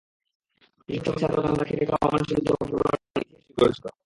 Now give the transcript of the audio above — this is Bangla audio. কৃষক, শ্রমিক, ছাত্র, জনতা, খেটে খাওয়া মানুষের যুদ্ধে অংশগ্রহণ ইতিহাস সৃষ্টি করেছিল।